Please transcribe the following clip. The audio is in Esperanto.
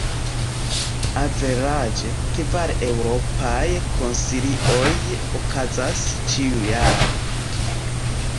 Averaĝe, kvar Eŭropaj Konsilioj okazas ĉiujare.